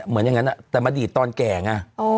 เหมือนอย่างนั้นแต่มันดีดตอนแก่ง